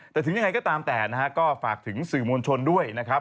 แต่ถึงยังไงก็ตามแต่นะฮะก็ฝากถึงสื่อมวลชนด้วยนะครับ